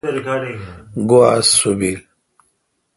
گوا آس سو بیل۔